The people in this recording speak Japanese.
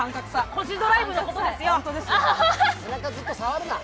「コジドライブ」のことですよ。